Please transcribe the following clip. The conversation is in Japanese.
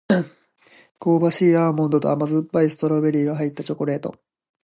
香ばしいアーモンドと甘酸っぱいストロベリーが入ったチョコレート